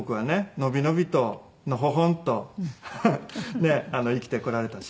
のびのびとのほほんとハハねえ生きてこられたし